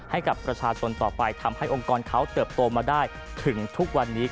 ให้กับประชาชนต่อไปทำให้องค์กรเขาเติบโตมาได้ถึงทุกวันนี้